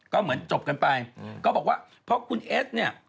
ก็เหมือนจบกันไปก็บอกว่าเพราะคุณเอสเนี่ย